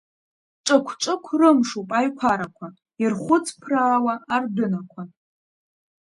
Ҿықә-ҿықә рымшуп аиқәарақәа ирхәыҵԥраауа ардәынақәа.